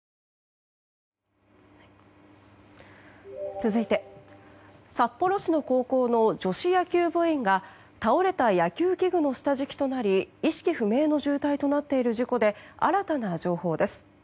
続いて札幌市の高校の女子野球部員が倒れた野球器具の下敷きとなり意識不明の重体となっている事故で新たな情報です。